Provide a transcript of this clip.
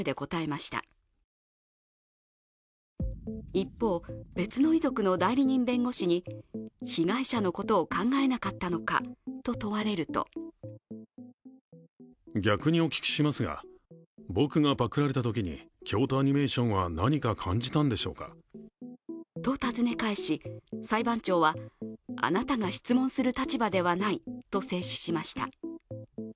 一方、別の遺族の代理人弁護士に被害者のことを考えなかったのかと問われるとと尋ね返し、裁判長はあなたが質問する立場ではないと制止しました。